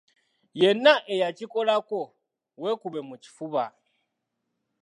Yenna eyakikolako weekube mu kifuba.